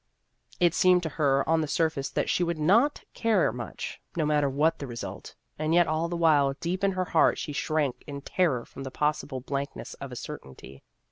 It seemed to her on the surface that she would not care much, no matter what the result ; and yet all the while, deep in her heart, she shrank in terror from the possi ble blankness of a certainty.